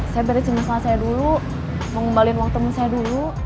saya beresin masalah saya dulu mau ngembalikan uang temu saya dulu